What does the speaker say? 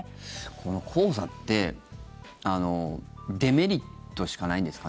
この黄砂ってデメリットしかないんですか？